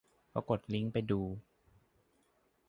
พอกดลิงก์ไปดู